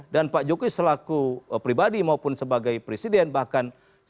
dan pak jokowi selaku pribadi maupun sebagai presiden bahkan sebagai politik